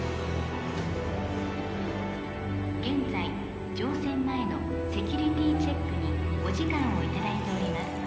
現在乗船前のセキュリティーチェックにお時間を頂いております。